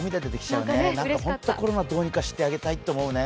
本当にコロナどうにかしてあげたいと思うね。